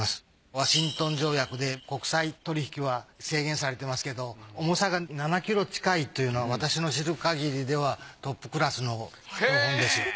ワシントン条約で国際取引は制限されてますけど重さが７キロ近いというのは私の知るかぎりではトップクラスのものです。